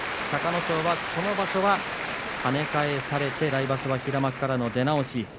隆の勝はこの場所は跳ね返されて来場所平幕からの出直し